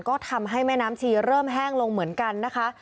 ก็ทำให้แม่น้ำชีเริ่มแห้งลงเหมือนกันนะคะ